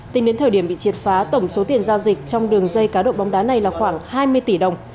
tính đến thời điểm bị triệt phá tổng số tiền giao dịch trong đường dây cá độ bóng đá này là khoảng hai mươi tỷ đồng